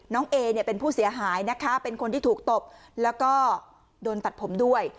เอเนี่ยเป็นผู้เสียหายนะคะเป็นคนที่ถูกตบแล้วก็โดนตัดผมด้วย